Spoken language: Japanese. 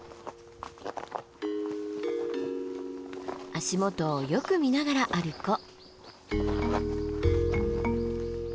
足元をよく見ながら歩こう。